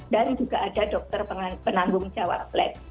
dan juga ada dokter penanggung jawab lab